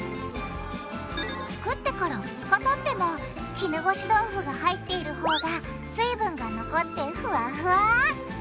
作ってから２日たっても絹ごし豆腐が入っているほうが水分が残ってフワフワ！